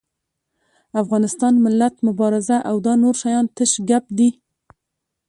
افغانستان، ملت، مبارزه او دا نور شيان تش ګپ دي.